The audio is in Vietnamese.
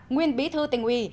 nguyên bí thư tỉnh ủy